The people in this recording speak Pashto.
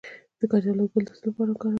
د کچالو ګل د څه لپاره وکاروم؟